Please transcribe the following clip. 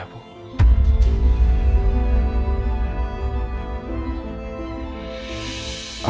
aku begini karena dia